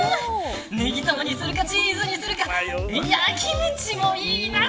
ネギ玉にするかチーズにするかキムチもいいな。